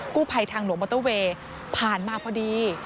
ภัยทางหลวงมอเตอร์เวย์ผ่านมาพอดี